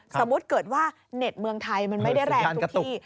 สมมุติเกิดว่าเน็ตเมืองไทยมันไม่ได้แรงทุกที่